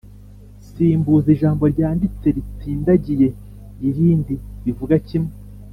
simbuza ijambo ryanditse ritsindagiye irindi bivuga kimwe